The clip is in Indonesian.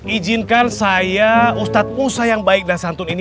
ijinkan saya ustadz musa yang baik dan santun ini